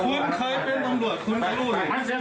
เลือกอะไรแค่นั้นแหละ